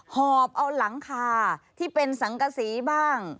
หอบเอาหลังคาที่เป็นสังกษีบ้าง